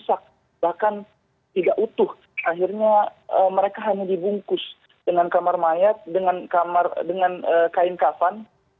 akhirnya mereka hanya dibungkus dengan kamar mayat dengan kain kafan